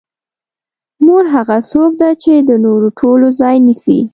مور هغه څوک ده چې د نورو ټولو ځای نیسي.